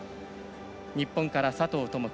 日本から佐藤友祈。